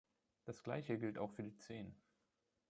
Das Gleiche gilt auch für die Zehen.